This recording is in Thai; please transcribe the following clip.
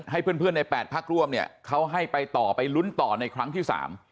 ให้เพื่อนใน๘พักร่วมเนี่ยเขาให้ไปต่อไปลุ้นต่อในครั้งที่๓